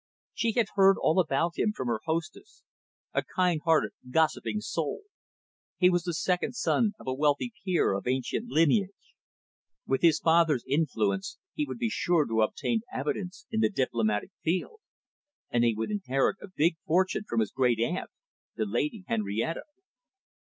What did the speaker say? She had heard all about him from her hostess, a kind hearted, gossiping soul. He was the second son of a wealthy peer of ancient lineage. With his father's influence, he would be sure to obtain eminence in the diplomatic field. And he would inherit a big fortune from his grand aunt, the Lady Henrietta.